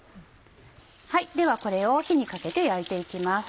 ではこれを火にかけて焼いて行きます。